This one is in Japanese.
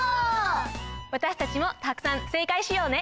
わたしたちもたくさん正かいしようね！